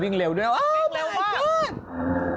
วิ่งเท่ามอเตอร์ไซด์